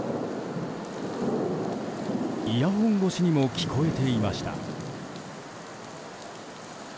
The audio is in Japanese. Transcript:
イヤホン越しにも聞こえていました。